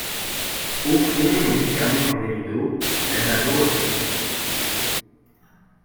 Au fond, lit fermé par des rideaux ; lavabo, avec ses ustensiles.